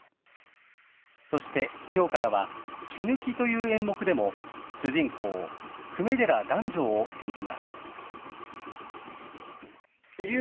そしてきょうからは毛抜という演目でも主人公、粂寺弾正を演じます。